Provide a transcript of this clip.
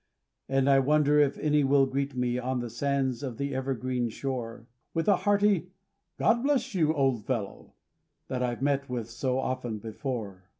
And I wonder if any will greet me On the sands of the evergreen shore With a hearty, "God bless you, old fellow," That I've met with so often before.